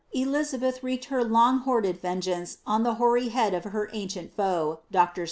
Elizabeth wreaked her loiig hoarded vengmnce o\ hoary head of her ancient foe. Dr.